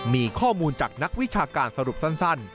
มีข้อมูลจากนักวิชาการสรุปสั้น